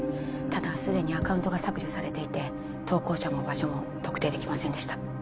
ただすでにアカウントが削除されていて投稿者も場所も特定できませんでした